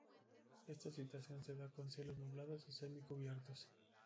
Esta situación se da con cielos nublados o semi-cubiertos.